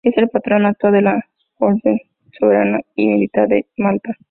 Es el patrón actual de la Orden Soberana y Militar de Malta.